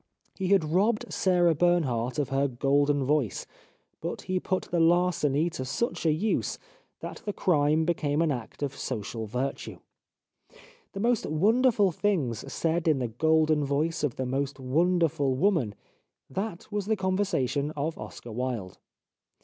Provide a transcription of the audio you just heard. He had robbed Sarah Bernhardt of her golden voice, but he put the larceny to such a usethat the crime became an act of social virtue. The most wonderful things said in the golden voice of the most wonderful woman : that was the conversation of Oscar Wilde.